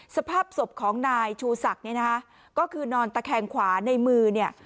สภาพศพของนายชูศักดิ์เนี่ยนะคะก็คือนอนตะแคงขวาในมือเนี่ย